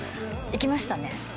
行きましたね。